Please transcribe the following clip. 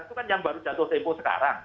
itu kan yang baru jatuh tempo sekarang